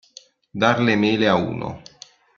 Dar le mele a uno.